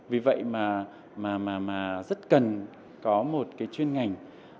vì vậy mà rất cần có một cái chuyên ngành